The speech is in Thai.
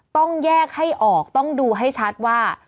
ต้องแยกให้ออกต้องดูให้ชัดว่า